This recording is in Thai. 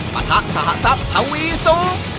มาทักสหสัพทะวีสุ